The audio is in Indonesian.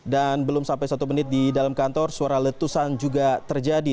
dan belum sampai satu menit di dalam kantor suara letusan juga terjadi